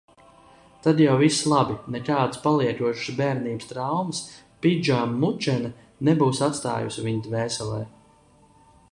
Tad jau viss labi, nekādas paliekošas bērnības traumas pidžamučene nebūs atstājusi viņa dvēselē.